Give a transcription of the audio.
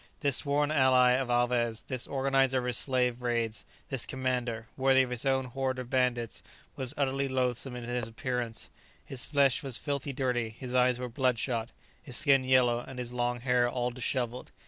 This sworn ally of Alvez, this organizer of his slave raids, this commander, worthy of his own horde of bandits, was utterly loathsome in his appearance, his flesh was filthily dirty, his eyes were bloodshot, his skin yellow, and his long hair all dishevelled.